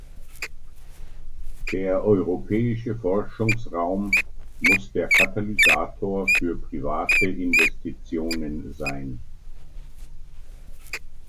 Der Europäische Forschungsraum muss der Katalysator für private Investitionen sein.